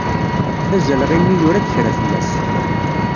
Tazalɣi-nni yura-d kra fell-as.